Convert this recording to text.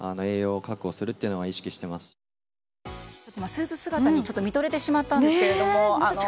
スーツ姿に、ちょっと見とれてしまったんですけども。